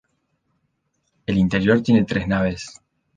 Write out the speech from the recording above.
El interior tiene tres naves.